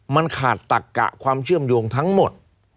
มันขาดตักกะความเชื่อมโยงทั้งหมด